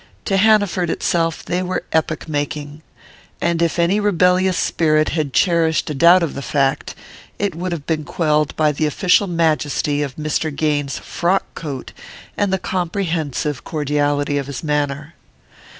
To Hanaford itself they were epoch making; and if any rebellious spirit had cherished a doubt of the fact, it would have been quelled by the official majesty of Mr. Gaines's frock coat and the comprehensive cordiality of his manner.